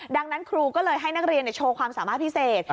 ดังนั้นครูก็เลยให้นักเรียนโชว์ความสามารถพิเศษ